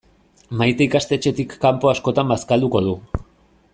Maite ikastetxetik kanpo askotan bazkalduko du.